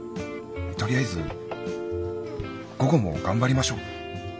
とりあえず午後も頑張りましょう。